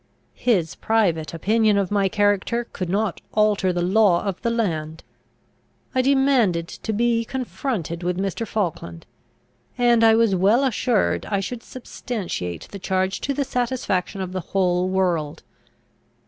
His private opinion of my character could not alter the law of the land. I demanded to be confronted with Mr. Falkland, and I was well assured I should substantiate the charge to the satisfaction of the whole world.